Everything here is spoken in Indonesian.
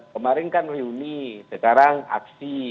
kemarin kan reuni sekarang aksi